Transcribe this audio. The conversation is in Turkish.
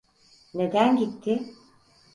Neden gitti?